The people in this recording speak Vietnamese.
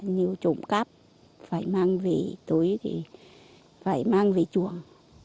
nhiều trộn cắp phải mang về tối thì phải mang về chuồng